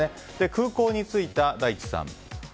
空港に着いた大地さん。